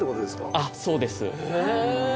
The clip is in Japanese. あっそうです。え！